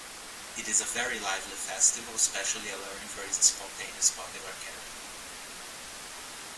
It is a very lively festival, especially alluring for its spontaneous popular character.